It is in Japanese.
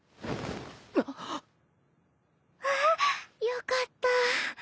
よかった。